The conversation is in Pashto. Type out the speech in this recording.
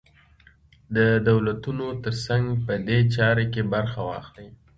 د دولتونو تر څنګ په دې چاره کې برخه واخلي.